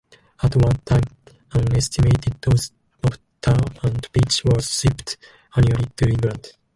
At one time, an estimated of tar and pitch were shipped annually to England.